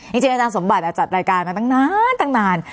จริงอาจารย์สมบัติจัดรายการมาตั้งนานตั้งนาน